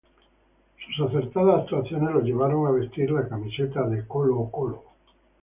Sus acertadas actuaciones lo llevaron a vestir la camiseta de Colo-Colo.